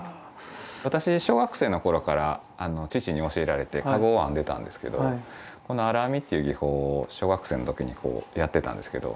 私小学生の頃から父に教えられて籠を編んでたんですけどこの荒編みっていう技法を小学生の時にやってたんですけど。